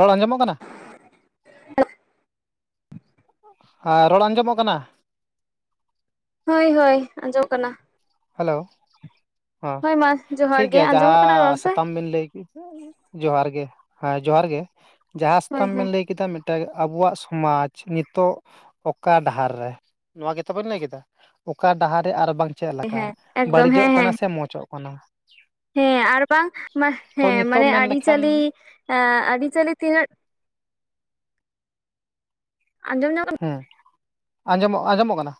ᱨᱚᱲ ᱟᱸᱡᱚᱢᱚᱜ ᱠᱟᱱᱟ? [inaudible] ᱟᱨ ᱨᱚᱲ ᱟᱸᱡᱚᱢᱚᱜ ᱠᱟᱱᱟ? ᱦᱳᱭ ᱦᱳᱭ ᱟᱸᱡᱚᱢ ᱠᱟᱱᱟ᱾ ᱦᱮᱞᱳ ᱦᱮᱸ ᱦᱳᱭ ᱢᱟ ᱡᱚᱦᱟᱨ ᱴᱷᱤᱠ ᱜᱮ ᱜᱮᱭᱟ ᱟᱸᱡᱚᱢᱚᱜ ᱠᱟᱱᱟ ᱨᱚᱲ ᱡᱟᱦᱟᱸ ᱥᱮ ᱥᱟᱛᱟᱢ ᱵᱤᱱ ᱞᱟᱹᱭ ᱡᱚᱦᱟᱨ ᱜᱮ ᱦᱮᱸ ᱡᱚᱦᱟᱨ ᱜᱮ, ᱡᱟᱦᱟᱸ ᱦᱳᱭ ᱥᱟᱛᱟᱢ ᱦᱳᱭ ᱵᱮᱱ ᱞᱟᱹᱭ ᱠᱮᱫᱟ ᱛᱮ ᱟᱵᱚᱣᱟᱜ ᱥᱚᱢᱟᱡ ᱱᱤᱛᱚᱜ ᱚᱠᱟ ᱰᱟᱦᱟᱨ ᱨᱮ, ᱱᱚᱣᱟ ᱜᱮ ᱛᱚᱵᱮᱱ ᱞᱟᱹᱭ ᱠᱮᱫᱟ? ᱚᱠᱟ ᱰᱟᱦᱟᱨ ᱨᱮ ᱟᱨ ᱵᱟᱝ ᱪᱮᱜ ᱞᱮᱠᱟ ᱦᱮᱸ ᱮᱠᱫᱚᱢ ᱵᱟᱹᱲᱤᱡᱚᱜ ᱦᱮᱸ ᱠᱟᱱᱟ ᱦᱮᱸ ᱥᱮ ᱢᱚᱸᱪᱚᱜ ᱠᱟᱱᱟ? ᱦᱮᱸ ᱟᱨ ᱵᱟᱝ ᱛᱚ ᱦᱮᱸ ᱱᱤᱛᱚᱜ ᱢᱟᱱᱮ ᱢᱮᱱ ᱞᱮᱠᱷᱟᱱ ᱟᱹᱨᱤᱪᱟᱹᱞᱤ ᱟᱹᱨᱤᱪᱟᱹᱞᱤ ᱛᱤᱱᱟᱹᱜ ᱟᱡᱚᱢᱧᱟᱢ ᱠᱟᱱᱟ? ᱦᱮᱸ ᱟᱸᱡᱚᱢᱚᱜ ᱟᱸᱡᱚᱢᱚᱜ ᱠᱟᱱᱟ᱾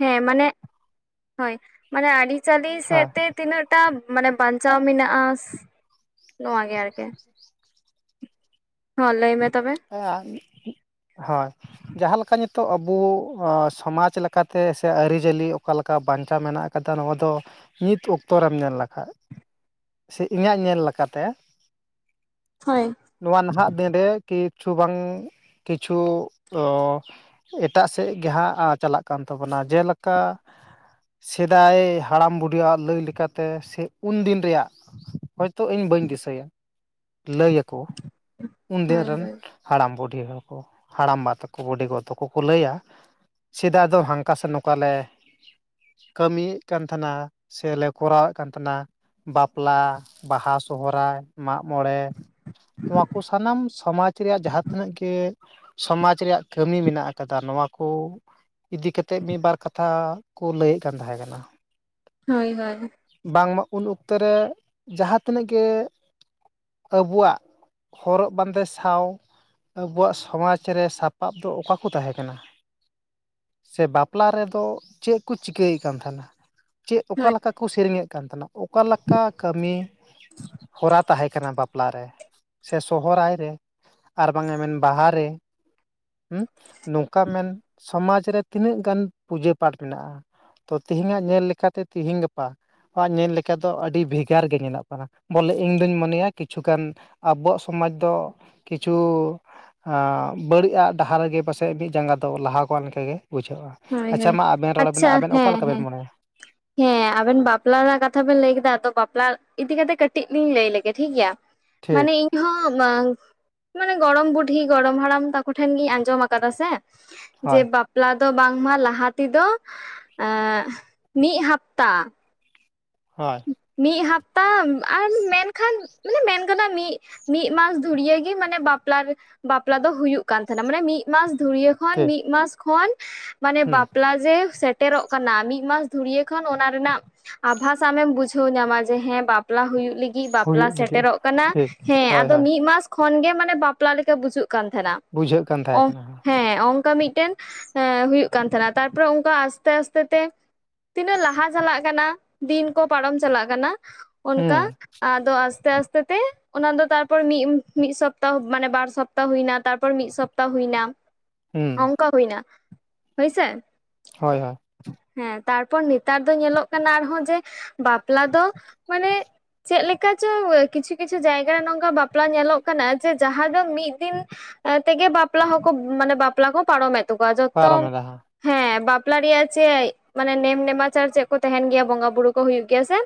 ᱦᱮᱸ ᱢᱟᱱᱮ ᱦᱳᱭ ᱢᱟᱱᱮ ᱟᱹᱨᱤᱪᱟᱹᱞᱤ ᱥᱮᱜ ᱦᱮᱸ ᱛᱮ ᱛᱤᱱᱟᱜᱴᱟ ᱢᱟᱱᱮ ᱵᱟᱧᱪᱟᱣ ᱢᱮᱱᱟᱜᱼᱟ ᱱᱚᱣᱟ ᱜᱮ ᱟᱨᱠᱤ᱾ [inaudible] ᱦᱚᱸ ᱞᱟᱹᱭ ᱢᱮ ᱛᱚᱵᱮ᱾ [unintelligible] ᱦᱳᱭ ᱡᱟᱦᱟᱸ ᱞᱮᱠᱟ ᱱᱤᱛᱚᱜ ᱟᱵᱚ ᱥᱚᱢᱟᱡᱽ ᱞᱮᱠᱟᱛᱮ ᱥᱮ ᱟᱹᱨᱤᱪᱟᱹᱞᱤ ᱚᱠᱟᱞᱮ ᱠᱟ ᱵᱟᱧᱪᱟᱣ ᱢᱮᱱᱟᱜ ᱠᱟᱫᱟ ᱱᱚᱣᱟ ᱫᱚ ᱱᱤᱛ ᱚᱠᱛᱚ ᱨᱮᱢ ᱧᱮᱞ ᱞᱮᱠᱷᱟᱡ ᱥᱮ ᱤᱧᱟᱹᱜ ᱧᱮᱞ ᱞᱮᱠᱟᱛᱮ, ᱦᱳᱭ ᱱᱚᱣᱟ ᱱᱟᱦᱟᱜ ᱫᱤᱱᱨᱮ ᱠᱤᱪᱷᱩ ᱵᱟᱝ ᱠᱤᱪᱷᱩ ᱚ ᱮᱴᱟᱜ ᱥᱮᱜ ᱜᱮ ᱦᱟᱸᱜ ᱪᱟᱞᱟᱜ ᱠᱟᱱ ᱛᱟᱵᱚᱱᱟ, ᱡᱮᱞᱮᱠᱟ ᱥᱮᱫᱟᱭ ᱦᱟᱲᱟᱢ ᱵᱩᱰᱤᱭᱟᱜ ᱞᱟᱹᱭ ᱞᱮᱠᱟᱛᱮ ᱥᱮ ᱩᱱᱫᱤᱱ ᱨᱮᱭᱟᱜ, ᱦᱚᱭ ᱛᱚ ᱤᱧ ᱵᱟᱹᱧ ᱫᱤᱥᱟᱹᱭᱟ ᱞᱟᱹᱭ ᱟᱹᱠᱚ ᱩᱱᱫᱤᱱ ᱦᱳᱭ ᱨᱮᱱ ᱦᱳᱭ ᱦᱟᱲᱟᱢ ᱵᱩᱰᱷᱤ ᱦᱚᱲ ᱠᱚ, ᱦᱟᱲᱟᱢᱵᱟ ᱛᱟᱠᱚ, ᱵᱩᱰᱷᱤ ᱜᱚ ᱛᱟᱠᱚ ᱠᱚ ᱞᱟᱹᱭᱟ ᱥᱮᱫᱟᱭ ᱫᱚ ᱦᱟᱝᱠᱟ ᱥᱮ ᱱᱚᱝᱠᱟ ᱞᱮ ᱠᱟᱹᱢᱤᱭᱮᱜ ᱠᱟᱱ ᱛᱟᱦᱮᱸᱱᱟ, ᱥᱮᱞᱮ ᱠᱚᱨᱟᱣᱮᱜ ᱠᱟᱱ ᱛᱟᱦᱮᱸᱱᱟ᱾ ᱵᱟᱯᱞᱟ ᱵᱟᱦᱟ ᱥᱚᱦᱚᱨᱟᱭ ᱢᱟᱜ ᱢᱚᱬᱮ ᱱᱚᱣᱟ ᱠᱚ ᱥᱟᱱᱟᱢ ᱥᱚᱢᱟᱡᱽ ᱨᱮᱭᱟᱜ ᱡᱟᱦᱟᱸ ᱛᱤᱱᱟᱹᱜ ᱜᱮ, ᱥᱚᱢᱟᱡᱽ ᱨᱮᱭᱟᱜ ᱠᱟᱹᱢᱤ ᱢᱮᱱᱟᱜ ᱟᱠᱟᱫᱟ ᱱᱚᱣᱟ ᱠᱚ, ᱤᱫᱤ ᱠᱟᱛᱮᱜ ᱢᱤᱫ ᱵᱟᱨ ᱠᱟᱛᱷᱟ ᱠᱚ ᱞᱟᱹᱭᱮᱜ ᱠᱟᱱ ᱛᱟᱦᱮᱸ ᱠᱟᱱᱟ᱾ ᱦᱳᱭ ᱦᱳᱭ ᱵᱟᱝᱢᱟ ᱩᱱ ᱚᱠᱛᱚ ᱨᱮ ᱡᱟᱦᱟᱸ ᱛᱤᱱᱟᱹᱜ ᱜᱮ ᱟᱵᱩᱣᱟᱜ ᱦᱚᱨᱚᱜ ᱵᱟᱸᱫᱮ ᱥᱟᱶ ᱟᱵᱚᱣᱟᱜ ᱥᱚᱢᱟᱡᱽ ᱨᱮ ᱥᱟᱯᱟᱯ ᱫᱚ ᱚᱠᱟ ᱠᱚ ᱛᱟᱦᱮᱸ ᱠᱟᱱᱟ? ᱥᱮ ᱵᱟᱯᱞᱟ ᱨᱮᱫᱚ ᱪᱮᱜ ᱠᱚ ᱪᱤᱠᱟᱹᱭ ᱠᱟᱱ ᱛᱟᱦᱮᱸᱱᱟ ᱪᱮᱜ ᱦᱳᱭ ᱚᱠᱟᱞᱮᱠᱟ ᱠᱩ ᱥᱮᱨᱮᱧᱮᱜ ᱠᱟᱱ ᱛᱟᱦᱮᱸᱱᱟ, ᱚᱠᱟ ᱞᱮᱠᱟ ᱠᱟᱹᱢᱤ ᱦᱚᱨᱟ ᱛᱟᱦᱮᱸ ᱠᱟᱱᱟ ᱵᱟᱯᱞᱟ ᱨᱮ ᱥᱮ ᱥᱩ ᱥᱚᱦᱚᱨᱟᱭ ᱨᱮ ᱟᱨ ᱵᱟᱝ ᱮ ᱢᱮᱱ ᱵᱟᱦᱟ ᱨᱮ ᱦᱩ ᱱᱚᱝᱠᱟ ᱢᱮᱱ ᱥᱚᱢᱟᱡᱽ ᱨᱮ ᱛᱤᱱᱟᱹᱜ ᱜᱟᱱ ᱯᱩᱡᱟᱹ ᱯᱟᱴ ᱢᱮᱱᱟᱜᱼᱟ ᱛᱚ ᱛᱮᱦᱤᱧᱟᱜ ᱧᱮᱞ ᱞᱮᱠᱟᱛᱮ ᱛᱤᱦᱤᱧ ᱜᱟᱯᱟ ᱧᱮᱞ ᱞᱮᱠᱟ ᱫᱚ ᱟᱹᱰᱤ ᱵᱷᱮᱜᱟᱨ ᱜᱮ ᱧᱮᱞᱚᱜ ᱠᱟᱱᱟ ᱵᱚᱞᱮ ᱤᱧ ᱫᱩᱧ ᱢᱚᱱᱮᱭᱟ ᱠᱤᱪᱷᱩᱜᱟᱱ ᱟᱵᱚᱣᱟᱜ ᱥᱚᱢᱟᱡᱽ ᱫᱚ ᱠᱤᱪᱷᱩ ᱵᱟᱹᱲᱤᱡ ᱟᱜ ᱰᱟᱦᱟᱨ ᱨᱮᱜᱮ ᱯᱟᱥᱮᱡ ᱢᱤᱜ ᱡᱟᱸᱜᱟ ᱫᱚ ᱞᱟᱦᱟ ᱠᱟᱱ ᱞᱮᱠᱟ ᱜᱮ ᱵᱩᱡᱷᱟᱹᱜᱼᱟ᱾ ᱦᱳᱭ ᱟᱪᱪᱷᱟ ᱦᱳᱭ ᱢᱟ ᱟᱵᱮᱱ ᱨᱚᱲ ᱵᱮᱱ ᱟᱪᱪᱷᱟ ᱟᱵᱮᱱ ᱚᱠᱟ ᱦᱮᱸ ᱦᱮᱸ ᱞᱮᱠᱟᱵᱮᱱ ᱢᱚᱱᱮᱭᱟ? ᱦᱮᱸ ᱟᱵᱮᱱ ᱵᱟᱯᱞᱟ ᱨᱮᱱᱟᱜ ᱠᱟᱛᱷᱟ ᱵᱮᱱ ᱞᱟᱹᱭ ᱠᱮᱫᱟ ᱵᱟᱯᱞᱟ ᱤᱫᱤ ᱠᱟᱛᱮᱜ ᱠᱟᱹᱴᱤᱡ ᱞᱤᱧ ᱞᱟᱹᱭ ᱞᱮᱜᱮ ᱴᱷᱤᱠᱜᱮᱭᱟ᱾ ᱴᱷᱤᱠ ᱢᱟᱱᱮ ᱤᱧᱦᱚᱸ ᱢᱟᱹ ᱢᱟᱱᱮ ᱜᱚᱲᱚᱢ ᱵᱩᱰᱷᱤ ᱜᱚᱲᱚᱢ ᱦᱟᱲᱟᱢ ᱛᱟᱠᱚ ᱴᱷᱮᱱ ᱜᱤᱧ ᱟᱸᱡᱚᱢ ᱟᱠᱟᱫᱟ ᱥᱮ ᱦᱳᱭ ᱡᱮ ᱵᱟᱯᱞᱟ ᱫᱚ ᱵᱟᱝᱢᱟ ᱞᱟᱦᱟ ᱛᱮᱫᱚ ᱮᱸᱜ ᱢᱤᱜ ᱦᱟᱯᱛᱟ ᱦᱳᱭ ᱢᱤᱫ ᱦᱟᱯᱛᱟ ᱟᱨ ᱢᱮᱱᱠᱷᱟᱱ ᱢᱟᱱᱮ ᱢᱮᱱ ᱜᱟᱱᱚᱜᱼᱟ ᱢᱤᱫ ᱢᱤᱫ ᱢᱟᱥ ᱫᱷᱩᱨᱭᱟᱹᱜᱤ ᱢᱟᱱᱮ ᱵᱟᱯᱞᱟ ᱵᱟᱯᱞᱟ ᱫᱚ ᱦᱩᱭᱩᱜ ᱠᱟᱱ ᱛᱟᱦᱮᱸᱱᱟ ᱢᱟᱱᱮ ᱢᱤᱫ ᱢᱤᱫ ᱢᱟᱥ ᱫᱷᱩᱨᱭᱟᱹ ᱠᱷᱚᱱ ᱴᱷᱤᱠ ᱢᱤᱫ ᱢᱟᱥ ᱠᱷᱚᱱ ᱢᱟᱱᱮ ᱦᱩᱸ ᱵᱟᱯᱞᱟ ᱡᱮ ᱥᱮᱼᱼ ᱥᱮᱴᱮᱨᱚᱜ ᱠᱟᱱᱟ ᱢᱤᱫ ᱢᱟᱥ ᱫᱷᱩᱨᱭᱟ ᱠᱷᱚᱱ ᱚᱱᱟ ᱨᱮᱱᱟᱜ ᱟᱵᱷᱟᱥ ᱥᱟᱢᱮᱢ ᱵᱩᱡᱷᱟᱹᱣ ᱧᱟᱢᱟ ᱡᱮ ᱦᱮᱸ ᱵᱟᱯᱞᱟ ᱦᱩᱭᱩᱜ ᱞᱟᱹᱜᱤᱫ ᱤ ᱵᱟᱯᱞᱟ ᱦᱩᱭᱩᱜ ᱞᱟᱹᱜᱤᱫ ᱥᱮᱴᱮᱨᱚᱜ ᱠᱟᱱᱟ ᱴᱷᱤᱠ ᱦᱮᱸ ᱦᱳᱭ ᱦᱳᱭ ᱟᱫᱚ ᱢᱤᱫ ᱢᱟᱥ ᱠᱷᱚᱱ ᱜᱮ ᱢᱟᱱᱮ ᱵᱟᱯᱞᱟ ᱞᱮᱠᱟ ᱵᱩᱡᱩᱜ ᱠᱟᱱ ᱛᱟᱦᱮᱸᱱᱟ ᱵᱩᱡᱷᱟᱹᱜ ᱠᱟᱱ ᱛᱟᱦᱮᱸ ᱚ ᱠᱟᱱᱟ ᱦᱮᱸ ᱚᱱᱠᱟ ᱢᱤᱫᱴᱮᱱ ᱦᱮᱸ ᱦᱩᱭᱩᱜ ᱠᱟᱱ ᱛᱟᱦᱮᱱᱟ ᱛᱟᱨᱯᱚᱨᱮ ᱚᱱᱠᱟ ᱟᱥᱛᱮ ᱟᱥᱛᱮ ᱛᱮ ᱛᱤᱱᱟᱹᱜ ᱞᱟᱦᱟ ᱪᱟᱞᱟᱜ ᱠᱟᱱᱟ ᱫᱤᱱ ᱠᱚ ᱯᱟᱨᱚᱢ ᱪᱟᱞᱟᱜ ᱠᱟᱱᱟ ᱚᱱᱠᱟ ᱦᱩᱸ ᱟᱫᱚ ᱟᱥᱛᱮ ᱟᱥᱛᱮ ᱛᱮ ᱚᱱᱟ ᱫᱚ ᱛᱟᱨᱯᱚᱨ ᱢᱤ ᱢᱤᱫ ᱥᱚᱯᱛᱟᱦᱚ ᱢᱟᱱᱮ ᱵᱟᱨ ᱥᱚᱯᱛᱟᱦ ᱛᱟ ᱦᱩᱭ ᱮᱱᱟ ᱛᱟᱨᱯᱚᱨ ᱢᱤᱫ ᱥᱚᱯᱛᱟ ᱦᱩᱭ ᱮᱱᱟ ᱦᱩᱸ ᱚᱱᱠᱟ ᱦᱩᱭ ᱮᱱᱟ ᱦᱳᱭᱥᱮ ᱦᱳᱭ ᱦᱳᱭ ᱦᱮᱸ ᱛᱟᱨᱯᱚᱨ ᱱᱮᱛᱟᱨ ᱫᱚ ᱧᱮᱞᱚᱜ ᱠᱟᱱᱟ ᱟᱨᱦᱚᱸ ᱡᱮ ᱵᱟᱯᱞᱟ ᱫᱚ ᱢᱟᱱᱮ ᱪᱮᱫ ᱞᱮᱠᱟ ᱪᱚ ᱠᱤᱪᱷᱩ ᱠᱤᱪᱷᱩ ᱡᱟᱭᱜᱟᱨᱮ ᱱᱚᱝᱠᱟ ᱵᱟᱯᱞᱟ ᱧᱮᱞᱚᱜ ᱠᱟᱱᱟ ᱡᱮ ᱡᱟᱦᱟᱸ ᱫᱚ ᱢᱤᱫ ᱫᱤᱱ ᱛᱮᱜᱮ ᱵᱟᱯᱞᱟ ᱦᱚᱸᱠᱚ ᱢᱟᱱᱮ ᱵᱟᱯᱞᱟ ᱠᱚ ᱯᱟᱨᱚᱢᱮᱫ ᱛᱟᱠᱚᱣᱟ ᱡᱚᱛᱚ ᱯᱟᱨᱚᱢ ᱮᱫᱟ ᱦᱟᱸᱜ ᱦᱮᱸ ᱵᱟᱯᱞᱟ ᱨᱮᱭᱟᱜ ᱪᱮᱫ ᱢᱟᱱᱮ ᱱᱮᱢ ᱱᱮᱢᱟᱪᱟᱨ ᱪᱮᱫ ᱠᱚ ᱛᱟᱦᱮᱱ ᱜᱮᱭᱟ ᱵᱚᱸᱜᱟ ᱵᱩᱨᱩ ᱠᱚ ᱦᱩᱭᱩᱜ ᱜᱮᱭᱟ ᱥᱮ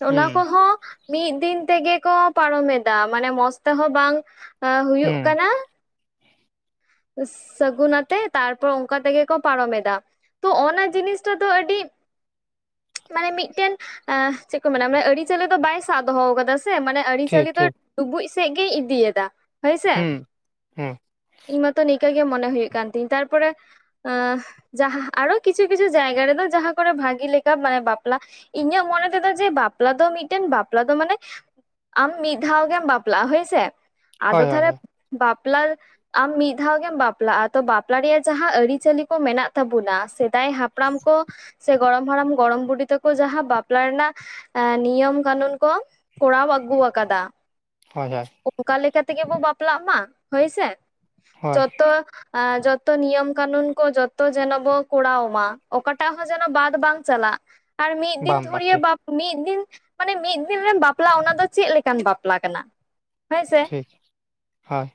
ᱚᱱᱟ ᱦᱩᱸ ᱠᱚᱦᱚᱸ ᱢᱤᱫ ᱫᱤᱱ ᱛᱮᱜᱮ ᱠᱚ ᱯᱟᱨᱚᱢ ᱮᱫᱟ ᱢᱟᱱᱮ ᱢᱚᱸᱡᱽ ᱛᱮᱦᱚᱸ ᱵᱟᱝ ᱦᱩᱭᱩᱜ ᱦᱩᱸ ᱠᱟᱱᱟ ᱥᱟᱹᱜᱩᱱ ᱟᱛᱮ ᱛᱟᱨᱯᱚᱨ ᱚᱱᱠᱟ ᱛᱮᱜᱮ ᱠᱚ ᱯᱟᱨᱚᱢ ᱮᱫᱟ ᱛᱚ ᱚᱱᱟ ᱡᱤᱱᱤᱥᱴᱟ ᱫᱚ ᱟᱹᱰᱤ ᱢᱟᱱᱮ ᱢᱤᱫᱴᱮᱱ ᱪᱮᱫ ᱠᱚ ᱢᱮᱱᱟ ᱢᱟᱱᱮ ᱟᱹᱨᱤᱪᱟᱞᱤ ᱫᱚ ᱵᱟᱭ ᱥᱟᱵ ᱫᱚᱦᱚ ᱟᱠᱟᱫᱟ ᱥᱮ ᱢᱟᱱᱮ ᱴᱷᱤᱠ ᱟᱹᱨᱤᱪᱟᱹᱞᱤ ᱫᱚ ᱴᱷᱤᱠ ᱰᱩᱵᱩᱡ ᱥᱮᱡ ᱜᱮᱭ ᱤᱫᱤᱭᱮᱫᱟ ᱦᱳᱭᱥᱮ ᱦᱩᱸ ᱦᱮᱸ ᱤᱧ ᱢᱟᱛᱚ ᱱᱤᱠᱟᱹᱜ ᱜᱮ ᱢᱚᱱᱮ ᱦᱩᱭᱩᱜ ᱠᱟᱱ ᱛᱤᱧ ᱛᱟᱨᱯᱚᱨᱮ ᱡᱟᱦᱟᱸ ᱟᱨᱚ ᱠᱤᱪᱷᱩ ᱠᱤᱪᱷᱩ ᱡᱟᱭᱜᱟ ᱨᱮᱫᱚ ᱡᱟᱦᱟᱸ ᱠᱚᱨᱮ ᱵᱷᱟᱜᱤ ᱞᱮᱠᱟ ᱢᱟᱱᱮ ᱵᱟᱯᱞᱟ ᱤᱧᱟᱹᱜ ᱢᱚᱱᱮ ᱛᱮᱫᱚ ᱡᱮ ᱵᱟᱯᱞᱟ ᱫᱚ ᱢᱤᱫᱴᱮᱱ ᱵᱟᱯᱞᱟ ᱫᱚ ᱢᱟᱱᱮ ᱟᱢ ᱢᱤᱫ ᱫᱷᱟᱣ ᱜᱮᱢ ᱵᱟᱯᱞᱟᱜᱼᱟ ᱦᱳᱭᱥᱮ ᱟᱫᱚ ᱦᱳᱭ ᱦᱳᱭ ᱛᱟᱦᱚᱞᱮ ᱦᱳᱭ ᱵᱟᱯᱞᱟ ᱟᱢ ᱢᱤᱫ ᱫᱷᱟᱣ ᱜᱮᱢ ᱵᱟᱯᱞᱟᱜᱼᱟ ᱛᱚ ᱵᱟᱯᱞᱟ ᱨᱮᱭᱟᱜ ᱡᱟᱦᱟᱸ ᱟᱹᱨᱤᱪᱟᱹᱞᱤ ᱠᱚ ᱢᱮᱱᱟᱜ ᱛᱟᱵᱚᱱᱟ ᱥᱮᱫᱟᱭ ᱦᱟᱯᱲᱟᱢ ᱠᱚ ᱥᱮ ᱜᱚᱲᱚᱢ ᱦᱟᱲᱟᱢ ᱜᱚᱲᱚᱢ ᱵᱩᱰᱷᱤ ᱛᱟᱠᱚ ᱡᱟᱦᱟᱸ ᱵᱟᱯᱞᱟ ᱨᱮᱱᱟᱜ ᱱᱤᱭᱚᱢ ᱠᱟᱹᱱᱩᱱ ᱠᱚ ᱠᱚᱨᱟᱣ ᱟᱹᱜᱩ ᱟᱠᱟᱫᱟ ᱦᱳᱭ ᱚᱱᱠᱟ ᱞᱮᱠᱟ ᱛᱮᱜᱮ ᱵᱚᱱ ᱵᱟᱯᱞᱟᱜ ᱢᱟ ᱦᱳᱭᱥᱮ ᱦᱳᱭ ᱡᱚᱛᱚ ᱡᱚᱛᱚ ᱱᱤᱭᱚᱢ ᱠᱟᱱᱩᱱ ᱠᱚ ᱡᱚᱛᱚ ᱡᱮᱱᱚ ᱵᱚ ᱠᱚᱨᱟᱣ ᱢᱟ ᱚᱠᱟᱴᱟᱜ ᱦᱚᱸ ᱡᱮᱱᱚ ᱵᱟᱫ ᱵᱟᱝ ᱪᱟᱞᱟᱜ ᱟᱨ ᱢᱤᱫ ᱫᱤᱱ ᱵᱟᱝ ᱵᱟᱝ ᱫᱷᱩᱨᱭᱟᱹ ᱴᱷᱤᱠ ᱵᱟᱯ ᱢᱤᱫ ᱫᱤᱱ ᱢᱟᱱᱮ ᱢᱤᱫ ᱫᱤᱱ ᱨᱮᱢ ᱵᱟᱯᱞᱟ ᱚᱱᱟ ᱫᱚ ᱪᱮᱫ ᱞᱮᱠᱟᱱ ᱵᱟᱯᱞᱟ ᱠᱟᱱᱟ ᱦᱮᱸᱥᱮ ᱴᱷᱤᱠ ᱦᱳᱭ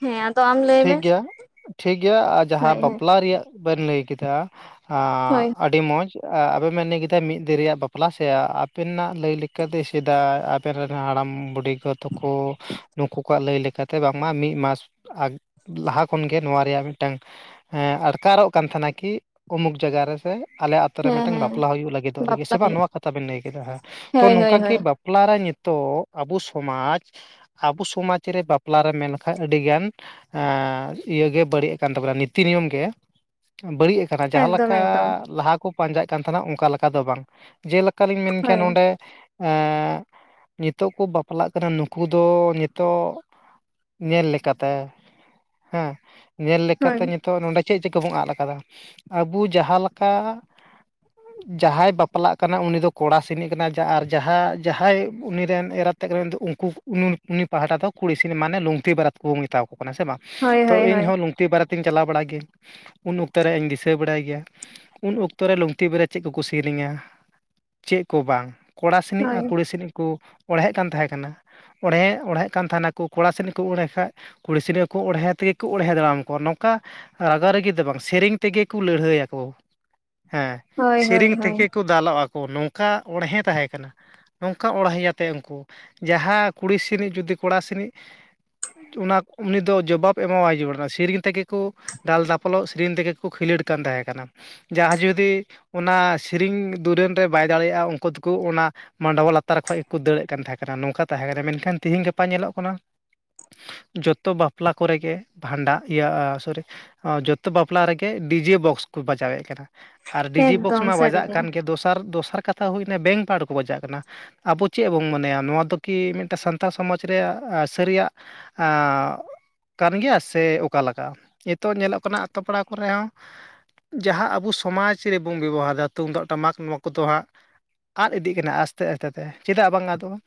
ᱦᱮᱸ ᱟᱢ ᱞᱟᱹᱭ ᱢᱮ ᱴᱷᱤᱠᱜᱮᱭᱟ ᱴᱷᱤᱠᱜᱮᱭᱟ ᱟᱨ ᱡᱟᱦᱟᱸ ᱦᱳᱭ ᱦᱳᱭ ᱵᱟᱯᱞᱟ ᱨᱮᱭᱟᱜ ᱵᱮᱱ ᱞᱟᱹᱭ ᱠᱮᱫᱟ ᱟᱨ ᱦᱳᱭ ᱟᱹᱰᱤ ᱟᱹᱰᱤ ᱢᱚᱸᱡᱽ ᱟᱯᱮ ᱵᱮᱱ ᱞᱟᱹᱭ ᱠᱮᱫᱟ ᱢᱤᱫ ᱫᱤᱱ ᱨᱮᱭᱟᱜ ᱵᱟᱯᱞᱟ ᱥᱮ ᱟᱯᱮᱱᱟᱜ ᱞᱟᱹᱭ ᱞᱮᱠᱟᱛᱮ ᱥᱮᱫᱟᱭ ᱦᱟᱯᱮᱱ ᱨᱮᱱ ᱦᱟᱲᱟᱢ ᱵᱩᱰᱷᱤ ᱜᱚ ᱛᱟᱠᱚ ᱱᱩᱠᱩ ᱠᱚᱣᱟᱜ ᱞᱟᱹᱭ ᱞᱮᱠᱟᱛᱮ ᱵᱟᱝᱢᱟ ᱢᱤᱫ ᱢᱟᱥ ᱟᱨ ᱞᱟᱦᱟ ᱠᱷᱚᱱᱜᱮ ᱱᱚᱣᱟ ᱨᱮᱭᱟᱜ ᱢᱤᱫᱴᱟᱝ ᱦᱮᱸ ᱟᱴᱠᱟᱨᱚᱜ ᱠᱟᱱ ᱛᱟᱦᱮᱱᱟ ᱠᱤ ᱩᱢᱩᱠ ᱡᱟᱭᱜᱟ ᱨᱮᱥᱮ ᱟᱞᱮ ᱟᱛᱳ ᱨᱮ ᱦᱮᱸ ᱢᱤᱫᱴᱟᱝ ᱦᱮᱸ ᱵᱟᱯᱞᱟ ᱦᱩᱭᱩᱜ ᱞᱟᱹᱜᱤᱫᱚᱜ ᱞᱟᱹᱜᱤᱫ ᱥᱮ ᱵᱟᱯᱞᱟ ᱵᱟᱝ ᱦᱩᱭᱩᱜ ᱱᱚᱣᱟ ᱠᱟᱛᱷᱟ ᱵᱤᱱ ᱞᱟᱹᱭ ᱠᱮᱫᱟ ᱦᱮᱸ ᱛᱚ ᱦᱳᱭ ᱦᱳᱭ ᱱᱚᱝᱠᱟ ᱜᱮ ᱦᱳᱭ ᱵᱟᱯᱼᱼ ᱵᱟᱯᱞᱟᱨᱮ ᱱᱤᱛᱚᱜ ᱟᱵᱚ ᱥᱚᱢᱟᱡᱽ ᱟᱵᱚ ᱥᱚᱢᱟᱡᱽ ᱨᱮ ᱵᱟᱯᱞᱟᱨᱮ ᱢᱮᱱᱠᱷᱟᱱ ᱟᱹᱰᱤᱜᱟᱱ ᱮ ᱤᱭᱟᱹᱜᱮ ᱵᱟᱹᱲᱤᱡ ᱠᱟᱱ ᱛᱟᱵᱚᱱᱟ ᱱᱤᱛᱤ ᱱᱤᱭᱚᱢ ᱜᱮ ᱵᱟᱹᱲᱤᱡ ᱡᱟᱦᱟᱸ ᱮᱠᱫᱚᱢ ᱞᱮᱠᱟ ᱮᱠᱫᱚᱢ ᱞᱟᱦᱟ ᱠᱚ ᱯᱟᱸᱡᱟᱜ ᱠᱟᱱ ᱛᱟᱦᱮᱱᱟ ᱚᱱᱠᱟ ᱞᱮᱠᱟ ᱫᱚ ᱵᱟᱝ ᱡᱮᱞᱮᱠᱟᱞᱤᱧ ᱢᱮᱱ ᱠᱮᱭᱟ ᱦᱳᱭ ᱱᱚᱰᱮ ᱱᱤᱛᱚᱜ ᱠᱚ ᱵᱟᱯᱞᱟᱜ ᱠᱟᱱᱟ ᱱᱩᱠᱩ ᱫᱚ ᱱᱤᱛᱚᱜ ᱧᱮᱞ ᱞᱮᱠᱟᱛᱮ ᱦᱮᱸ ᱧᱮᱞ ᱦᱳᱭ ᱞᱮᱠᱟᱛᱮ ᱛᱚ ᱱᱚᱰᱮ ᱪᱮᱫ ᱪᱤᱠᱟᱹ ᱵᱚᱱ ᱟᱫ ᱠᱟᱫᱟ ᱟᱵᱚ ᱡᱟᱦᱟᱸ ᱞᱮᱠᱟ ᱡᱟᱦᱟᱸᱭ ᱵᱟᱯᱞᱟᱜ ᱠᱟᱱᱟ ᱩᱱᱤ ᱫᱚ ᱠᱚᱲᱟ ᱥᱤᱱᱤᱡ ᱠᱟᱱᱟᱭ ᱟᱨ ᱡᱟᱦᱟᱸ ᱡᱟᱦᱟᱸᱭ ᱩᱱᱤ ᱨᱮᱱ ᱮᱨᱟᱛᱮᱜ ᱠᱟᱱᱟᱭ ᱩᱱᱤ ᱫᱚ ᱩᱱᱠᱩ ᱯᱟᱦᱟᱴᱟ ᱫᱚ ᱠᱩᱲᱤ ᱥᱤᱱ ᱢᱟᱱᱮ ᱞᱩᱝᱛᱤ ᱵᱟᱨᱟᱛ ᱠᱚᱵᱚᱱ ᱢᱮᱛᱟ ᱠᱚ ᱠᱟᱱᱟ ᱥᱮ ᱵᱟᱝ ᱦᱳᱭ ᱛᱚ ᱦᱳᱭ ᱤᱧ ᱦᱳᱭ ᱦᱚᱸ ᱛᱤ ᱵᱟᱨᱮᱛᱤᱧ ᱪᱟᱞᱟᱣ ᱵᱟᱲᱟᱜ ᱜᱤ ᱩᱱ ᱚᱠᱛᱚ ᱨᱮ ᱤᱧ ᱫᱤᱥᱟᱹ ᱵᱟᱲᱟᱭ ᱜᱮᱭᱟ ᱩᱱ ᱚᱠᱛᱚ ᱨᱮ ᱞᱩᱝᱛᱤ ᱵᱟᱨᱮ ᱪᱮᱫ ᱠᱚᱠᱚ ᱥᱮᱨᱮᱧᱟ ᱪᱮᱫ ᱠᱚ ᱵᱟᱝ ᱠᱚᱲᱟ ᱥᱮᱱᱤᱡ ᱟᱨ ᱦᱳᱭ ᱠᱩᱲᱤ ᱥᱮᱱᱤᱡ ᱠᱚ ᱚᱲᱦᱮᱫ ᱠᱟᱱ ᱛᱟᱦᱮᱸ ᱠᱟᱱᱟ ᱚᱲᱦᱮ ᱚᱲᱦᱮᱫ ᱠᱟᱱ ᱛᱟᱦᱮᱱᱟᱠᱚ ᱠᱚᱲᱟ ᱥᱮᱱᱠᱚ ᱚᱬᱦᱮ ᱠᱷᱟᱱ ᱠᱩᱲᱤ ᱥᱤᱱᱜᱮ ᱠᱚ ᱚᱬᱦᱮ ᱛᱤᱭᱟᱜᱟ ᱠᱚ ᱚᱬᱦᱮ ᱫᱟᱨᱟᱢ ᱠᱚᱣᱟ ᱱᱚᱝᱠᱟ ᱨᱟᱜᱟᱨᱟᱜᱤ ᱫᱚ ᱵᱟᱝ ᱥᱮᱨᱮᱧ ᱛᱮᱜᱮ ᱠᱚ ᱞᱟᱹᱲᱦᱟᱹᱭᱭᱟᱠᱚ ᱦᱮᱸ ᱦᱳᱭ ᱦᱳᱭ ᱥᱮᱨᱮᱧ ᱦᱳᱭ ᱛᱮᱜᱮ ᱠᱚ ᱫᱟᱞᱚᱜ ᱟᱠᱚ ᱱᱚᱝᱠᱟ ᱚᱬᱦᱮ ᱛᱟᱦᱮᱸ ᱠᱟᱱᱟ ᱱᱚᱝᱠᱟ ᱚᱬᱦᱮ ᱟᱛᱮᱫ ᱩᱱᱠᱩ ᱡᱟᱦᱟᱸ ᱠᱩᱲᱤ ᱥᱮᱱᱤᱡ ᱡᱩᱫᱤ ᱠᱚᱲᱟ ᱥᱮᱱᱤᱡ ᱚᱱᱟ ᱩᱱᱤ ᱫᱚ ᱡᱚᱵᱟᱵ ᱮᱢᱟᱣᱟᱭ ᱡᱩᱲᱤ ᱠᱟᱱᱟ ᱥᱮᱨᱮᱧ ᱛᱮᱜᱮ ᱠᱚ ᱫᱟᱞ ᱫᱟᱯᱚᱞᱚᱜ ᱥᱮᱨᱮᱧ ᱛᱮᱜᱮ ᱠᱚ ᱠᱷᱤᱞᱳᱰ ᱠᱟᱱ ᱛᱟᱦᱮᱸ ᱠᱟᱱᱟ ᱡᱟᱦᱟᱸᱭ ᱡᱩᱫᱤ ᱚᱱᱟ ᱥᱮᱨᱮᱧ ᱫᱩᱨᱟᱹᱱ ᱨᱮ ᱵᱟᱭ ᱫᱟᱲᱮᱭᱟᱜ-ᱟ ᱩᱱᱠᱩ ᱫᱚᱠᱚ ᱚᱱᱟ ᱢᱟᱰᱚᱣᱟ ᱞᱟᱛᱟᱨ ᱠᱷᱚᱡ ᱜᱮᱠᱚ ᱫᱟᱹᱲᱮᱫ ᱠᱟᱱ ᱛᱟᱦᱮᱸ ᱠᱟᱱᱟ ᱱᱚᱝᱠᱟ ᱛᱟᱦᱮᱸ ᱠᱟᱱᱟ ᱢᱮᱱᱠᱷᱟᱱ ᱛᱤᱦᱤᱧ ᱜᱟᱯᱟ ᱧᱮᱞᱚᱜ ᱠᱟᱱᱟ ᱡᱚᱛᱚ ᱵᱟᱯᱞᱟ ᱠᱚᱨᱮ ᱜᱮ ᱵᱷᱟᱸᱰᱟᱜ ᱤᱭᱟᱹ ᱥᱚᱨᱤ ᱡᱚᱛᱚ ᱵᱟᱯᱞᱟ ᱨᱮᱜᱮ ᱰᱤᱡᱮ ᱵᱚᱠᱥ ᱠᱚ ᱵᱟᱡᱟᱣᱮᱫ ᱠᱟᱱᱟ ᱟᱨ ᱰᱤᱡᱤ ᱵᱚᱠᱥ ᱮᱠᱫᱚᱢ ᱢᱟ ᱵᱟᱡᱟᱜ ᱥᱟᱹᱨᱤᱜᱮ ᱠᱟᱱ ᱜᱮ ᱫᱚᱥᱟᱨ ᱫᱚᱥᱟᱨ ᱠᱟᱛᱷᱟ ᱦᱩᱭᱱᱟ ᱵᱮᱝᱠ ᱯᱟᱨᱰ ᱠᱚ ᱵᱟᱡᱟᱜ ᱠᱟᱱᱟ ᱟᱵᱚ ᱪᱮᱫ ᱵᱚᱱ ᱢᱚᱱᱮᱭᱟ ᱱᱚᱣᱟ ᱫᱚ ᱠᱤ ᱢᱤᱫᱴᱮᱱ ᱥᱟᱱᱛᱟᱲ ᱥᱚᱢᱟᱡᱽ ᱨᱮᱭᱟᱜ ᱥᱟᱹᱨᱤᱭᱟᱜ ᱟᱨ ᱠᱟᱱ ᱜᱮᱭᱟ ᱥᱮ ᱚᱠᱟ ᱞᱮᱠᱟ ᱱᱤᱛᱚᱜ ᱧᱮᱞᱚᱜ ᱠᱟᱱᱟ ᱟᱛᱳ ᱯᱟᱲᱟ ᱠᱚᱨᱮ ᱦᱚᱸ ᱡᱟᱦᱟᱸ ᱟᱵᱚ ᱥᱚᱢᱟᱡᱽ ᱨᱮᱵᱚᱱ ᱵᱮᱵᱚᱦᱟᱨᱫᱟ ᱛᱩᱢᱫᱟᱜ ᱴᱟᱢᱟᱠ ᱱᱚᱣᱟ ᱠᱚᱫᱚ ᱦᱟᱸᱜ ᱟᱫ ᱤᱫᱤᱜ ᱠᱟᱱᱟ ᱟᱥᱛᱮ ᱟᱥᱛᱮ ᱛᱮ ᱪᱮᱫᱟᱜ ᱵᱟᱝ ᱟᱫᱚᱜ-ᱟ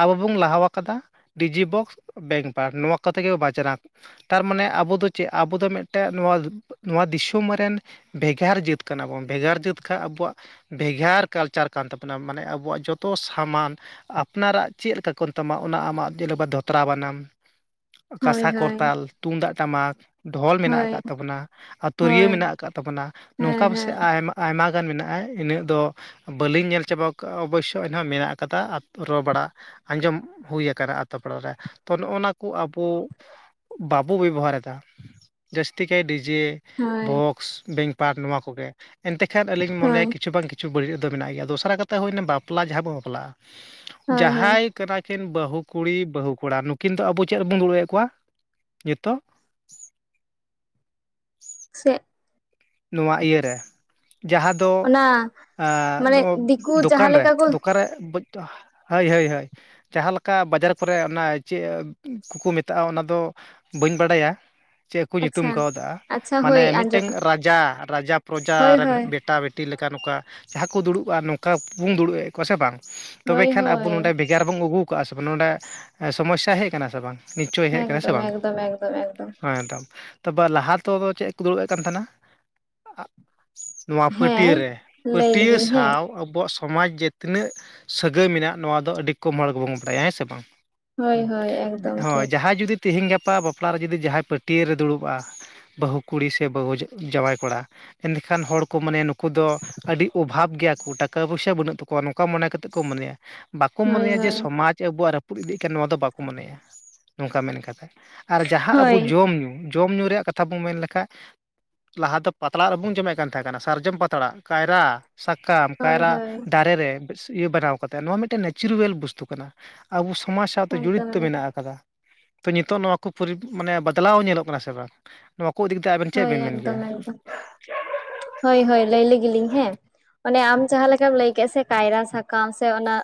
ᱟᱵᱚ ᱵᱚᱱ ᱞᱟᱦᱟ ᱟᱠᱟᱫᱟ ᱰᱤᱡᱤ ᱵᱚᱠᱥ ᱵᱮᱝᱠ ᱯᱟᱨᱰ ᱱᱚᱣᱟ ᱠᱚᱛᱮ ᱜᱮ ᱵᱟᱡᱱᱟ ᱛᱟᱨᱢᱟᱱᱮ ᱟᱵᱚ ᱫᱚ ᱪᱮᱫ ᱟᱵᱚ ᱫᱚ ᱢᱤᱫᱴᱮᱱ ᱱᱚᱣᱟ ᱱᱚᱣᱟ ᱫᱤᱥᱚᱢ ᱨᱮᱱ ᱵᱷᱮᱜᱟᱨ ᱡᱟᱹᱛ ᱠᱟᱱᱟ ᱵᱚᱱ ᱵᱷᱮᱜᱟᱨ ᱡᱟᱹᱛ ᱠᱷᱟᱡ ᱟᱵᱚᱣᱟᱜ ᱵᱷᱮᱜᱟᱨ ᱠᱟᱞᱪᱟᱨ ᱠᱟᱱ ᱛᱟᱵᱚᱱᱟ ᱢᱟᱱᱮ ᱟᱵᱚᱣᱟᱜ ᱡᱚᱛᱚ ᱥᱟᱢᱟᱱ ᱟᱯᱱᱟᱨᱟᱜ ᱪᱮᱫ ᱞᱮᱠᱟ ᱠᱟᱱ ᱛᱟᱢᱟ ᱚᱱᱟ ᱟᱢᱟᱜ ᱧᱮᱞ ᱵᱟᱫᱫᱷᱚ ᱛᱨᱟ ᱵᱟᱱᱟᱢ ᱦᱳᱭ ᱠᱟᱸᱥᱟ ᱦᱳᱭ ᱠᱚᱨᱛᱟᱞ ᱛᱩᱢᱫᱟᱜ ᱴᱟᱢᱟᱠ ᱰᱷᱚᱞ ᱢᱮᱱᱟᱜ ᱦᱳᱭ ᱟᱠᱟᱫ ᱛᱟᱵᱚᱱᱟ ᱛᱩᱨᱭᱟᱹ ᱦᱳᱭ ᱢᱮᱱᱟᱜ ᱟᱠᱟᱫ ᱛᱟᱵᱚᱱᱟ ᱦᱮᱸ ᱱᱚᱝᱠᱟ ᱯᱟᱥᱮᱡ ᱦᱮᱸ ᱟᱭᱢᱟ ᱟᱭᱢᱟ ᱜᱟᱱ ᱢᱮᱱᱟᱜ-ᱟ ᱤᱱᱟᱹᱜ ᱫᱚ ᱵᱟᱹᱞᱤᱧ ᱧᱮᱞ ᱪᱟᱵᱟᱣ ᱟᱠᱟᱜ-ᱟ ᱚᱵᱚᱥᱥᱳᱭ ᱮᱱᱦᱚᱸ ᱢᱮᱱᱟᱜ ᱠᱟᱫᱟ ᱨᱚᱲ ᱵᱟᱲᱟ ᱟᱸᱡᱚᱢ ᱦᱩᱭ ᱟᱠᱟᱱᱟ ᱟᱛᱚ ᱯᱟᱲᱟ ᱨᱮ ᱛᱚ ᱱᱚᱸᱜ-ᱚᱱᱟ ᱠᱚ ᱟᱵᱚ ᱵᱟᱵᱚ ᱵᱮᱵᱚᱦᱟᱨᱮᱫᱟ ᱡᱟᱹᱥᱛᱤ ᱠᱟᱭ ᱰᱤᱡᱮ ᱦᱳᱭ ᱵᱚᱠᱥ ᱵᱮᱝᱠ ᱯᱟᱨᱴ ᱱᱚᱣᱟ ᱠᱚᱜᱮ ᱮᱱᱛᱮ ᱠᱷᱟᱱ ᱟᱹᱞᱤᱧ ᱢᱚᱱᱮᱭᱟ ᱦᱳᱭ ᱠᱤᱪᱷᱩ ᱵᱟᱝ ᱠᱤᱪᱷᱩ ᱠᱤᱪᱷᱩ ᱵᱟᱹᱲᱤᱡ ᱫᱚ ᱢᱮᱱᱟᱭ ᱜᱮᱭᱟ ᱫᱚᱥᱨᱟ ᱠᱟᱛᱷᱟ ᱦᱩᱭᱱᱟ ᱵᱟᱯᱞᱟ ᱡᱟᱦᱟᱸ ᱵᱚᱱ ᱵᱟᱯᱞᱟᱜ-ᱟ ᱦᱳᱭ ᱦᱳᱭ ᱡᱟᱦᱟᱸᱭ ᱠᱟᱱᱟᱠᱤᱱ ᱵᱟᱹᱦᱩ ᱠᱩᱲᱤ ᱵᱟᱹᱦᱩ ᱠᱚᱲᱟ ᱱᱩᱠᱤᱱ ᱫᱚ ᱟᱵᱚ ᱪᱮᱫ ᱨᱮᱵᱚᱱ ᱫᱩᱲᱩᱵᱮᱫ ᱠᱚᱣᱟ ᱱᱤᱛᱚᱜ ᱥᱮᱫ ᱱᱚᱣᱟ ᱤᱭᱟᱹᱨᱮ ᱡᱟᱦᱟᱸᱫ ᱫᱚ ᱚᱱᱟ ᱢᱟᱱᱮ ᱱᱚᱣᱟ ᱫᱤᱠᱩ ᱡᱟᱦᱟᱸ ᱫᱚᱠᱟᱱ ᱨᱮ ᱞᱮᱠᱟ ᱠᱚ ᱫᱚᱠᱟᱱ ᱨᱮ ᱦᱳᱭ ᱦᱳᱭ ᱦᱳᱭ ᱡᱟᱦᱟᱸ ᱞᱮᱠᱟ ᱵᱟᱡᱟᱨ ᱠᱚᱨᱮ ᱚᱱᱟ ᱪᱮᱫ ᱠᱚᱠᱚ ᱢᱮᱛᱟᱜ-ᱟ ᱚᱱᱟ ᱫᱚ ᱵᱟᱹᱧ ᱵᱟᱲᱟᱭᱟ ᱪᱮᱫ ᱠᱚ ᱧᱩᱛᱩᱢ ᱟᱪᱪᱷᱟ ᱠᱟᱣᱫᱟ ᱟᱪᱪᱷᱟ ᱢᱟᱱᱮ ᱦᱳᱭ ᱟᱸᱡᱚ ᱢᱤᱫᱴᱮᱱ ᱨᱟᱡᱽ ᱨᱟᱡᱟ ᱦᱳᱭ ᱯᱨᱚᱡᱟ ᱨᱮᱱ ᱦᱳᱭ ᱵᱮᱴᱟ ᱵᱮᱴᱤ ᱞᱮᱠᱟ ᱱᱚᱝᱠᱟ ᱡᱟᱦᱟᱸ ᱠᱚ ᱫᱩᱲᱩᱵ-ᱟ ᱱᱚᱝᱠᱟ ᱵᱚᱱ ᱫᱩᱲᱩᱵ ᱮᱫ ᱠᱚ ᱥᱮ ᱵᱟᱝ ᱛᱚᱵᱮ ᱦᱳᱭ ᱠᱷᱟᱱ ᱟᱵᱚ ᱦᱳᱭ ᱱᱚᱰᱮ ᱵᱷᱮᱜᱟᱨ ᱵᱚᱱ ᱟᱹᱜᱩᱣᱠᱟᱜ-ᱟ ᱥᱮ ᱵᱟᱝ ᱱᱚᱰᱮ ᱥᱚᱢᱚᱥᱥᱟ ᱦᱮᱡ ᱟᱠᱟᱱᱟ ᱥᱮ ᱵᱟᱝ ᱱᱤᱥᱪᱚᱭ ᱦᱮᱡ ᱟᱠᱟᱱᱟ ᱥᱮ ᱮᱠᱫᱚᱢ ᱵᱟᱝ ᱮᱠᱫᱚᱢ ᱮᱠᱫᱚᱢ ᱮᱠᱫᱚᱢ ᱦᱮᱸᱛᱚ ᱛᱟᱯᱚᱨ ᱞᱟᱦᱟ ᱛᱮᱫᱚ ᱪᱮᱫ ᱠᱚ ᱫᱩᱲᱩᱵᱮᱫ ᱠᱟᱱ ᱛᱟᱦᱮᱱᱟ ᱱᱚᱣᱟ ᱯᱟᱹᱴᱭᱟᱹ ᱦᱮᱸ ᱨᱮ ᱞᱟᱹᱭ ᱯᱟᱹᱴᱭᱟᱹ ᱞᱮᱜᱤᱧ ᱦᱮᱸ ᱥᱟᱶ ᱟᱵᱚᱣᱟᱜ ᱥᱚᱢᱟᱡᱽ ᱡᱮ ᱛᱤᱱᱟᱹᱜ ᱥᱟᱹᱜᱟᱹᱭ ᱢᱮᱱᱟᱜ ᱱᱚᱣᱟ ᱫᱚ ᱟᱹᱰᱤ ᱠᱚᱢ ᱦᱚᱲ ᱜᱮᱵᱚᱱ ᱵᱟᱰᱟᱭᱟ ᱦᱮᱸ ᱥᱮ ᱵᱟᱝ ᱦᱳᱭ ᱦᱳᱭ ᱮᱠᱫᱚᱢ ᱦᱳᱭ ᱴᱷᱤᱠ ᱡᱟᱦᱟᱸᱭ ᱡᱩᱫᱤ ᱛᱤᱦᱤᱧ ᱜᱟᱯᱟ ᱵᱟᱯᱞᱟᱨᱮ ᱡᱩᱫᱤ ᱡᱟᱦᱟᱸᱭ ᱯᱟᱹᱴᱭᱟ ᱨᱮ ᱫᱩᱲᱩᱵᱼᱟ ᱵᱟᱹᱦᱩ ᱠᱩᱲᱤ ᱥᱮ ᱵᱟᱹᱦᱩᱡ ᱡᱟᱶᱟᱭ ᱠᱚᱲᱟ ᱮᱱᱠᱷᱟᱱ ᱦᱚᱲ ᱠᱚ ᱢᱟᱱᱮ ᱱᱩᱠᱩ ᱫᱚ ᱟᱹᱰᱤ ᱚᱵᱷᱟᱵᱽ ᱜᱮᱭᱟ ᱠᱚ ᱴᱟᱠᱟ ᱯᱚᱭᱥᱟ ᱵᱟᱹᱱᱩᱜ ᱛᱟᱠᱚᱣᱟ ᱱᱚᱠᱟ ᱢᱚᱱᱮ ᱠᱟᱛᱮᱫ ᱠᱚ ᱢᱚᱱᱮᱭᱟ ᱵᱟᱠᱚ ᱦᱳᱭ ᱢᱚᱱᱮᱭᱟ ᱡᱮ ᱦᱳᱭ ᱥᱚᱢᱟᱡᱽ ᱟᱵᱚᱣᱟᱜ ᱨᱟᱹᱯᱩᱫ ᱤᱫᱤᱜ ᱠᱟᱱᱟ ᱱᱚᱣᱟ ᱫᱚ ᱵᱟᱠᱚ ᱢᱚᱱᱮᱭᱟ ᱱᱚᱝᱠᱟ ᱢᱮᱱ ᱠᱟᱛᱷᱟ ᱟᱨ ᱡᱟᱦᱟᱸ ᱟᱵᱚ ᱦᱳᱭ ᱡᱚᱢᱼ ᱡᱚᱢᱼ ᱧᱩ ᱨᱮᱭᱟᱜ ᱠᱟᱛᱷᱟ ᱵᱚᱱ ᱢᱮᱱ ᱞᱮᱠᱷᱟᱜ ᱞᱟᱦᱟ ᱫᱚ ᱯᱟᱛᱲᱟ ᱨᱮᱵᱚᱱ ᱡᱚᱢᱮᱫ ᱠᱟᱱ ᱛᱟᱦᱮᱸ ᱠᱟᱱᱟ ᱥᱟᱨᱡᱚᱢ ᱯᱟᱛᱲᱟ ᱠᱟᱭᱨᱟ ᱥᱟᱠᱟᱢ ᱦᱳᱭ ᱠᱟᱭᱨᱟ ᱦᱳᱭ ᱫᱟᱨᱮ ᱨᱮ ᱤᱭᱟᱹ ᱵᱮᱱᱟᱣ ᱠᱟᱛᱮᱫ ᱱᱚᱣᱟ ᱢᱤᱫᱴᱮᱱ ᱱᱮᱪᱟᱨᱮᱞ ᱵᱚᱥᱛᱩ ᱠᱟᱱᱟ᱾ ᱟᱵᱚ ᱥᱚᱢᱟᱡᱽ ᱥᱟᱶᱛᱮ ᱮᱠᱫᱚᱢ ᱡᱚᱲᱤᱛᱛᱚ ᱢᱮᱱᱟᱜ ᱮᱠᱫᱚᱢ ᱟᱠᱟᱫᱟ᱾ ᱛᱚ ᱱᱤᱛᱚᱜ ᱱᱚᱣᱟ ᱠᱚ ᱢᱟᱱᱮ ᱵᱟᱫᱞᱟᱣ ᱧᱮᱞᱚᱜ ᱠᱟᱱᱟ ᱥᱮ ᱵᱟᱝ ᱱᱚᱣᱟ ᱠᱚ ᱤᱫᱤ ᱠᱟᱛᱮ ᱟᱵᱮᱱ ᱪᱮᱫ ᱦᱳᱭ ᱵᱮᱱ ᱢᱮᱱ ᱮᱠᱫᱚᱢ ᱜᱮᱭᱟ ᱮᱠᱫᱚᱢ ᱦᱳᱭ ᱦᱳᱭ ᱞᱟᱹᱭ ᱞᱮᱜᱮᱞᱤᱧ ᱦᱮᱸ ᱚᱱᱮ ᱟᱢ ᱡᱟᱦᱟᱸ ᱞᱮᱠᱟᱢ ᱞᱟᱹᱭ ᱠᱮᱫ ᱥᱮ ᱠᱟᱭᱨᱟ ᱥᱟᱠᱟᱢ ᱥᱮ ᱚᱱᱟ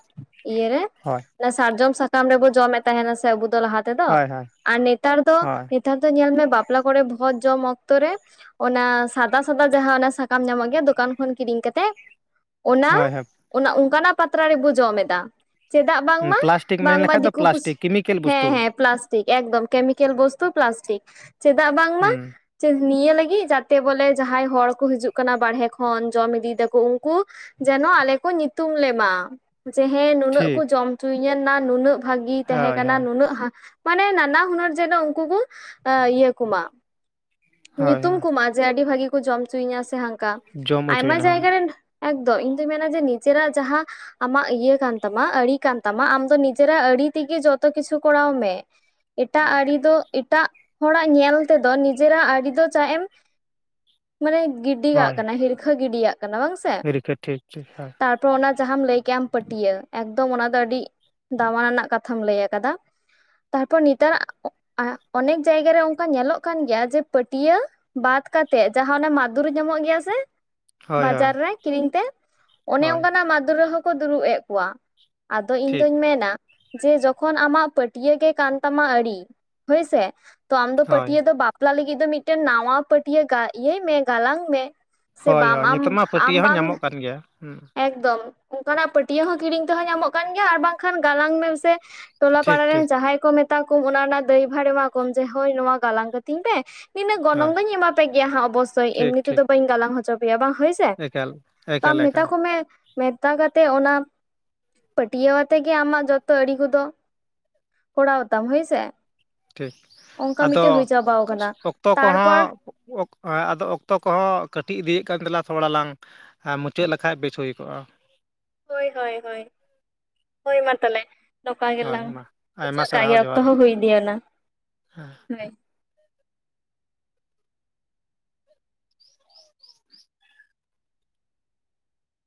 ᱤᱭᱟᱹᱨᱮ ᱦᱳᱭ ᱚᱱᱟ ᱥᱟᱨᱡᱚᱢ ᱥᱟᱠᱟᱢ ᱨᱮᱵᱚ ᱡᱚᱢᱮᱫ ᱛᱟᱦᱮᱱᱟ ᱥᱮ ᱟᱵᱚ ᱫᱚ ᱞᱟᱦᱟ ᱛᱮᱫᱚ ᱦᱳᱭ ᱦᱳᱭ ᱟᱨ ᱱᱮᱛᱟᱨ ᱫᱚ ᱦᱳᱭ ᱱᱮᱛᱟᱨ ᱫᱚ ᱧᱮᱞ ᱢᱮ ᱵᱟᱯᱞᱟ ᱠᱚᱨᱮ ᱵᱷᱚᱡᱽ ᱡᱚᱢ ᱚᱠᱛᱚ ᱚᱠᱛᱚ ᱨᱮ ᱚᱱᱟ ᱥᱟᱫᱟ ᱥᱟᱫᱟ ᱡᱟᱦᱟᱸ ᱚᱱᱟ ᱥᱟᱠᱟᱢ ᱧᱟᱢᱚᱜ ᱜᱮᱭᱟ ᱫᱚᱠᱟᱱ ᱠᱷᱚᱱ ᱠᱤᱨᱤᱧ ᱠᱟᱛᱮᱜ ᱚᱱᱟ ᱦᱳᱭ ᱦᱳᱭ ᱚᱱᱟ ᱚᱱᱠᱟᱱᱟᱜ ᱯᱟᱛᱲᱟ ᱨᱮᱵᱚ ᱡᱚᱢ ᱮᱫᱟ ᱾ ᱪᱮᱫᱟᱜ ᱵᱟᱝᱢᱟ ᱯᱞᱟᱥᱴᱤᱠ ᱢᱮᱱ ᱵᱟᱝᱢᱟ ᱞᱮᱠᱷᱟᱡ ᱫᱚ ᱫᱤᱠᱩ ᱯᱩᱥᱤ ᱯᱞᱟᱥᱴᱤᱠ ᱠᱮᱢᱤᱠᱮᱞ ᱦᱮᱸ ᱵᱚᱥᱛᱩ ᱦᱮᱸ ᱯᱞᱟᱥ ᱴᱤᱠ ᱮᱠᱫᱚᱢ ᱠᱮᱢᱤᱠᱮᱞ ᱵᱚᱥᱛᱩ ᱯᱞᱟᱥᱴᱤᱠ ᱪᱮᱫᱟᱜ ᱵᱟᱝᱢᱟ ᱦᱩᱸ ᱪᱚᱫ ᱱᱤᱭᱟᱹ ᱞᱟᱹᱜᱤᱫ ᱡᱟᱛᱮ ᱵᱚᱞᱮ ᱡᱟᱦᱟᱸᱭ ᱦᱚᱲ ᱠᱚ ᱦᱤᱡᱩᱜ ᱠᱟᱱᱟ ᱵᱟᱨᱦᱮ ᱠᱷᱚᱱ ᱡᱚᱢ ᱤᱫᱤᱭ ᱫᱟᱠᱚ ᱩᱱᱠᱩ ᱡᱮᱱᱚ ᱟᱞᱮ ᱠᱚ ᱧᱩᱛᱩᱢ ᱞᱮᱢᱟ ᱡᱮ ᱦᱮᱸ ᱱᱩᱱᱟᱹᱜ ᱠᱚ ᱴᱷᱤᱠ ᱡᱚᱢ ᱦᱚᱪᱚᱧᱟᱹᱱᱟ ᱱᱩᱱᱟᱹᱜ ᱵᱷᱟᱹᱜᱤ ᱛᱟᱦᱮᱸ ᱦᱳᱭ ᱠᱟᱱᱟ ᱦᱳᱭ ᱱᱩᱱᱟᱹᱜ ᱢᱟᱱᱮ ᱱᱟᱱᱟ ᱦᱩᱱᱟᱹᱨ ᱡᱮᱱᱚ ᱩᱱᱠᱩ ᱠᱚ ᱤᱭᱟᱹ ᱠᱚᱢᱟ ᱦᱳᱭ ᱧᱩᱛᱩᱢ ᱦᱳᱭ ᱠᱚᱢᱟ ᱡᱮ ᱟᱹᱰᱤ ᱵᱷᱟᱹᱜᱤ ᱠᱚ ᱡᱚᱢ ᱦᱚᱪᱚᱤᱧᱟ ᱥᱮ ᱦᱟᱱᱠᱟ ᱡᱚᱢ ᱟᱭᱢᱟ ᱦᱚᱪᱚᱭᱮᱱᱟ ᱡᱟᱭᱜᱟ ᱨᱮᱱ ᱮᱠᱫᱚᱢ ᱤᱧ ᱫᱩᱧ ᱢᱮᱱᱟ ᱡᱮ ᱱᱤᱡᱮᱨᱟᱜ ᱡᱟᱦᱟᱸ ᱟᱢᱟᱜ ᱤᱭᱟᱹ ᱠᱟᱱ ᱛᱟᱢᱟ ᱟᱹᱲᱤ ᱠᱟᱱ ᱛᱟᱢᱟ ᱟᱢ ᱫᱚ ᱱᱤᱡᱮᱨᱟᱜ ᱟᱹᱲᱤ ᱛᱮᱜᱮ ᱡᱚᱛᱚ ᱠᱤᱪᱷᱩ ᱠᱚᱨᱟᱣ ᱢᱮ ᱮᱴᱟᱜ ᱟᱨᱤ ᱫᱚ ᱮᱴᱟᱜ ᱦᱚᱲᱟᱜ ᱧᱮᱞ ᱛᱮᱫᱚ ᱡᱮᱨᱟᱜ ᱟᱹᱨᱤ ᱫᱚ ᱪᱟ ᱮᱢ ᱢᱟᱱᱮ ᱜᱤᱰᱤᱟᱜ ᱠᱟᱱᱟ ᱦᱤᱨᱠᱷᱟᱹ ᱜᱤᱰᱤᱭᱟᱜ ᱠᱟᱱᱟ ᱵᱟᱝ ᱥᱮ ᱟᱹᱰᱤ ᱛᱮᱫ ᱴᱷᱤᱠ ᱴᱷᱤᱠ ᱦᱚᱭ ᱛᱚ ᱚᱱᱟ ᱡᱟᱦᱟᱸᱢ ᱞᱟᱹᱭ ᱠᱮᱫᱮᱜ ᱟᱢ ᱯᱟᱹᱴᱭᱟᱹ ᱮᱠᱫᱚᱢ ᱚᱱᱟ ᱫᱚ ᱟᱹᱰᱤ ᱫᱟᱢᱟᱱᱟᱱᱟᱜ ᱠᱟᱛᱷᱟᱢ ᱞᱟᱹᱭ ᱟᱠᱟᱫᱟ᱾ ᱛᱟᱨᱯᱚᱨ ᱱᱤᱛᱟᱨᱟᱜ ᱚᱱᱮᱠ ᱡᱟᱭᱜᱟᱨᱮ ᱚᱱᱠᱟ ᱧᱮᱞᱚᱜ ᱠᱟᱱ ᱜᱮᱭᱟ ᱡᱮ ᱯᱟᱹᱴᱭᱟ ᱵᱟᱫ ᱠᱟᱛᱮᱜ ᱡᱟᱦᱟᱸ ᱚᱱᱮ ᱢᱟᱫᱩᱨ ᱧᱟᱢᱚᱜ ᱜᱮᱭᱟ ᱥᱮ ᱦᱳᱭ ᱦᱳᱭ ᱵᱟᱡᱟᱨ ᱨᱮ ᱠᱤᱨᱤᱧ ᱛᱮ ᱚᱱᱮ ᱦᱳᱭ ᱚᱱᱠᱟᱱᱟᱜ ᱢᱟᱫᱷᱩᱨ ᱨᱮᱦᱚᱸᱠᱚ ᱫᱩᱲᱩᱵ ᱮᱫ ᱠᱚᱣᱟ ᱟᱫᱚ ᱴᱷᱤᱠ ᱤᱧᱫᱩᱧ ᱢᱮᱱᱟ ᱡᱮ ᱡᱚᱠᱷᱚᱱ ᱟᱢᱟᱜ ᱯᱟᱹᱴᱭᱟ. ᱜᱮ ᱠᱟᱱ ᱛᱟᱢᱟ ᱟᱹᱨᱤ ᱦᱳᱭᱥᱮ ᱛᱚ ᱟᱢ ᱫᱚ ᱦᱳᱭ ᱯᱟᱹᱴᱭᱟ ᱫᱚ ᱵᱟᱢ ᱵᱟᱯᱞᱟ ᱞᱟᱹᱜᱤᱫ ᱫᱚ ᱢᱤᱫᱴᱮᱱ ᱱᱟᱣᱟ ᱯᱟᱹᱴᱤᱭᱟᱹ ᱤᱭᱟᱹᱭ ᱢᱮ ᱜᱟᱞᱟᱝ ᱢᱮ ᱥᱮ ᱦᱳᱭ ᱵᱟᱢ ᱦᱳᱭ ᱟᱢ ᱱᱤᱛᱚᱜ ᱢᱟ ᱯᱟᱹᱴᱭᱟᱹ ᱟᱢ ᱦᱚᱸ ᱵᱟᱢ ᱧᱟᱢᱚᱜ ᱠᱟᱱ ᱜᱮᱭᱟ ᱦᱩᱸ ᱮᱠᱫᱚᱢ ᱚᱱᱠᱟᱱᱟᱜ ᱯᱟᱹᱴᱭᱟᱹ ᱦᱚᱸ ᱠᱤᱨᱤᱧ ᱛᱮᱦᱚᱸ ᱧᱟᱢᱚᱜ ᱠᱟᱱ ᱜᱮᱭᱟ ᱟᱨ ᱵᱟᱝᱠᱷᱟᱱ ᱜᱟᱞᱟᱝ ᱢᱮᱥᱮ ᱴᱚᱞᱟ ᱴᱷᱤᱠ ᱯᱟᱲᱟ ᱨᱮᱱ ᱴᱷᱤᱠ ᱡᱟᱦᱟᱸᱭ ᱠᱚ ᱢᱮᱛᱟ ᱠᱚ ᱚᱱᱟ ᱨᱮᱱᱟᱜ ᱫᱟᱹᱭᱤᱵᱷᱟᱲ ᱮᱢᱟ ᱠᱚᱢ ᱡᱮ ᱦᱳ ᱱᱚᱣᱟ ᱜᱟᱞᱟᱝ ᱠᱟᱹᱛᱤᱧ ᱯᱮ ᱱᱤᱱᱟᱹ ᱦᱳᱭ ᱜᱚᱱᱚᱝ ᱫᱚᱧ ᱮᱢᱟ ᱯᱮ ᱜᱮᱭᱟ ᱦᱟᱸᱜ ᱚᱵᱚᱥᱥᱳ ᱴᱷᱤᱠ ᱮᱢᱱᱤ ᱛᱮᱫᱚ ᱴᱷᱤᱠ ᱵᱟᱹᱧ ᱜᱟᱞᱟᱝ ᱦᱚᱪᱚ ᱯᱮᱭᱟ ᱵᱟᱝ ᱦᱳᱭ ᱮᱠᱟᱞ ᱮᱠᱟᱞ ᱮᱠᱟᱞ ᱢᱮ ᱢᱮᱛᱟ ᱠᱟᱛᱮᱫ ᱚᱱᱟ ᱯᱟᱹᱴᱭᱟᱹ ᱟᱛ ᱜᱮ ᱟᱢᱟᱜ ᱡᱚᱛᱚ ᱟᱲᱤ ᱠᱚᱫᱚ ᱠᱚᱨᱟᱣᱛᱟᱢ ᱦᱳᱭᱥᱮ ᱾ ᱴᱷᱤᱠ ᱟᱫᱚ ᱠᱟᱱᱟ ᱚᱠᱛᱚ ᱠᱚᱦᱟᱼ ᱛᱟᱨᱯᱚᱨ ᱟᱫᱚ ᱚᱠᱛᱚ ᱠᱚᱦᱚᱸ ᱠᱟᱹᱴᱤᱡ ᱤᱫᱤᱭᱮᱫ ᱠᱟᱱ ᱛᱟᱞᱟᱝ ᱛᱷᱚᱲᱟ ᱞᱟᱝ ᱟᱨ ᱢᱩᱪᱟᱹᱫ ᱞᱮᱠᱷᱟᱡ ᱵᱮᱪ ᱦᱩᱭ ᱠᱚᱜᱼᱟ ᱦᱳᱭ ᱦᱳᱭ ᱦᱳᱭ ᱦᱳᱭ ᱢᱟ ᱛᱟᱦᱚᱞᱮ ᱱᱚᱝᱠᱟ ᱦᱳᱭ ᱜᱮᱞᱟᱝ ᱢᱟ ᱟᱭᱢᱟ ᱚᱪᱚᱜ ᱠᱟᱜ ᱥᱟᱨᱦᱟᱣ ᱜᱮ ᱚᱠᱛᱚ ᱡᱚᱦᱟᱨ ᱦᱚᱸ ᱦᱩᱭᱤᱫᱮ ᱚᱱᱟ ᱦᱮᱸ ᱦᱮᱭ